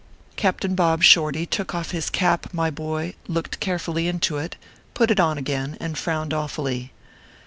. Captain Bob Shorty took off his cap, my boy, looked carefully into it, put it on again, and frowned awfully.